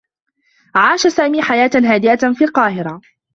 عاش سامي حياة هادئة في القاهرة.